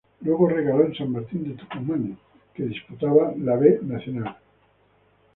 Luego recaló en San Martín de Tucumán, que disputaba la B Nacional.